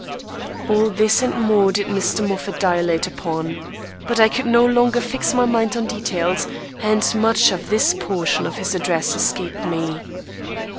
All this and more did Mr. Moffat dilate upon. But I could no longer fix my mind on details, and much of this portion of his address escaped me.